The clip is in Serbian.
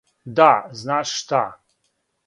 Да, знаш шта!